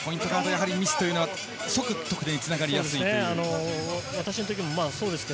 ミスというのは即、得点につながりやすいんですね。